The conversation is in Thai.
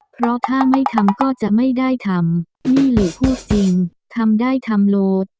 เพราะถ้าไม่ทำก็จะไม่ได้ทำนี่เลยพูดจริงทำได้ทำโหลด